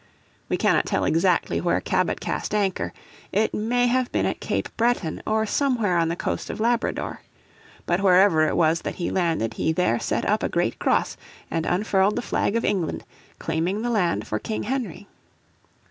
We cannot tell exactly where Cabot east anchor: it may have been at Cape Breton or somewhere on the coast of Labrador. But wherever it was that he landed he there set up a great cross and unfurled the flag of England, claiming the land for King Henry.